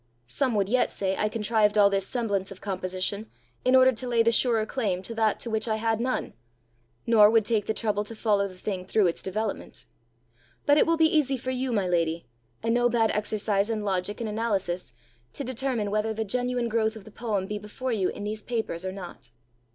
Some would yet say I contrived all this semblance of composition in order to lay the surer claim to that to which I had none nor would take the trouble to follow the thing through its development! But it will be easy for you, my lady, and no bad exercise in logic and analysis, to determine whether the genuine growth of the poem be before you in these papers or not."